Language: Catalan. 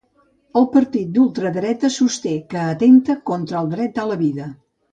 El partit d’ultradreta sosté que atempta contra el dret a la vida.